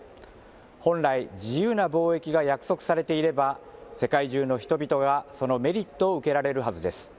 本来、自由な貿易が約束されていれば、世界中の人々がそのメリットを受けられるはずです。